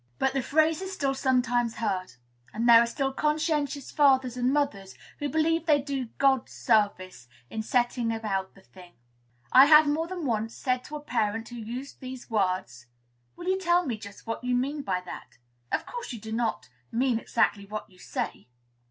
But the phrase is still sometimes heard; and there are still conscientious fathers and mothers who believe they do God service in setting about the thing. I have more than once said to a parent who used these words, "Will you tell me just what you mean by that? Of course you do not mean exactly what you say."